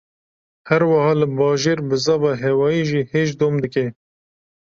Her wiha li bajêr, bizava hewayî jî hêj dom dike